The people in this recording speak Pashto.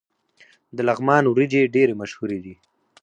د لغمان وریجې ډیرې مشهورې دي.